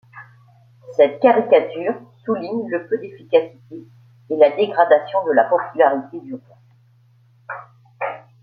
Cette caricature souligne le peu d'efficacité et la dégradation de la popularité du roi.